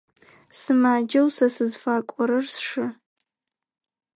Сымаджэу сэ сызыфакӏорэр сшы.